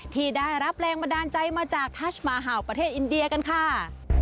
ที่ได้รับแรงบันดาลใจมาจากทัชมาฮาวประเทศอินเดียกันค่ะ